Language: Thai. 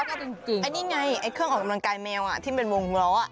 อันนี้ไงไอ้เครื่องออกกำลังกายแมวที่เป็นวงล้อ